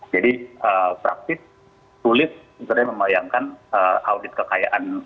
jadi praktis sulit sebenarnya membayangkan audit kekayaan